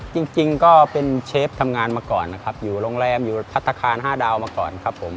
จริงก็เป็นเชฟทำงานมาก่อนนะครับอยู่โรงแรมอยู่พัฒนาคาร๕ดาวมาก่อนครับผม